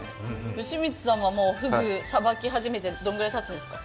吉光さんはフグをさばき始めてどれくらいたつんですか？